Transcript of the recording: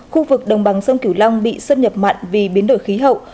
khu vực đồng bằng sông cửu long bị sân nhập mặn vì biến đổi khí hậu